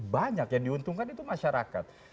banyak yang diuntungkan itu masyarakat